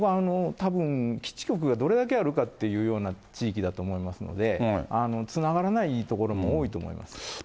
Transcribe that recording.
たぶん、基地局がどれだけあるかっていうような地域だと思いますので、つながらない所も多いと思うんです。